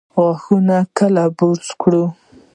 غاښونه کله برس کړو؟